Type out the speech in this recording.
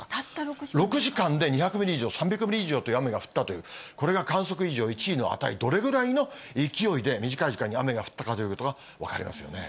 ６時間で２００ミリ以上、３００ミリ以上という雨が降ったという、これが観測史上１位の値、どれぐらいの勢いで短い時間に雨が降ったかということが分かりますよね。